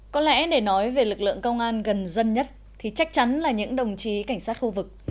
có lẽ để nói về lực lượng công an gần dân nhất thì chắc chắn là những đồng chí cảnh sát khu vực